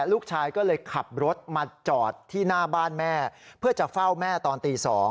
ลูกชายก็เลยขับรถมาจอดที่หน้าบ้านแม่เพื่อจะเฝ้าแม่ตอนตี๒